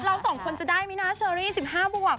เราสองคนจะได้ไหมนะเชอรี่๑๕บวก